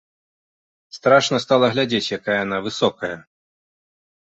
Страшна стала глядзець, якая яна высокая!